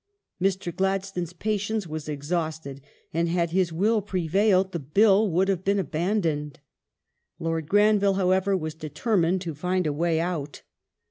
^ Mr. Gladstone's patience was exhausted, and had his will prevailed the Bill would have been abandoned ; Lord Granville, however, was determined to find a way out.